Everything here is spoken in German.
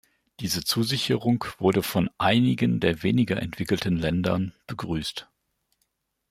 Diese Zusicherung wurde von einigen der weniger entwickelten Ländern begrüßt.